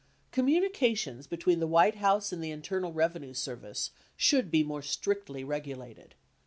Communications between the White House and the Internal Revenue Service should be more strictly regulated.